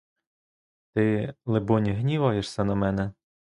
Ти, либонь, гніваєшся на мене?